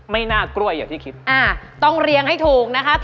มันคือกล้วยหักมุก